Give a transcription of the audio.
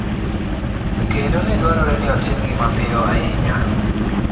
kendo ne dwarore ni otimgi mapiyo ahinya